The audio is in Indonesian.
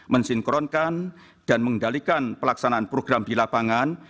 mensinkronkan dan mengendalikan pelaksanaan program di lapangan